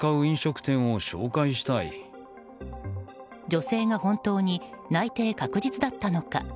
女性が本当に内定確実だったのか。